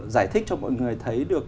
giải thích cho mọi người thấy được